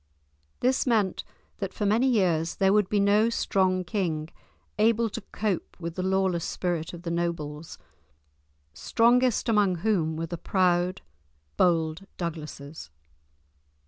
This meant that for many years there would be no strong king able to cope with the lawless spirit of the nobles, strongest among whom were the proud, bold Douglases.